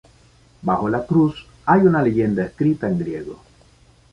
Bajo la cruz hay una leyenda escrita en griego.